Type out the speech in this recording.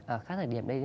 à khác thời điểm đây